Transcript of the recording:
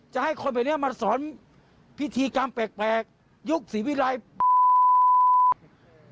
จะให้คนแบบนี้มาสอนพิธีกรรมแปลกยุคศรีวิรัย